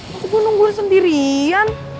masuk gue nunggu di sendirian